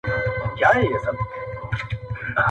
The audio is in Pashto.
چي یې لاستی زما له ځان څخه جوړیږي٫